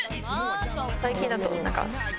最近だとなんか。